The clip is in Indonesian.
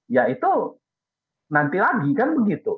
ya itu nanti lagi kan begitu